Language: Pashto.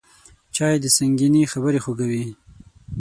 چای د سنګینې خبرې خوږوي